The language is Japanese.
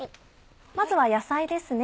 まずは野菜ですね。